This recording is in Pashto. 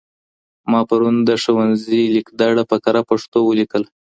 ما پرون د ښونځې لېک دړه په کره پښتو ولېکله.